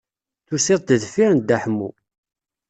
Tusiḍ-d deffif n Dda Ḥemmu.